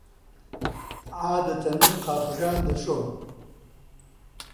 عادەتەن من قاپەکان دەشۆم.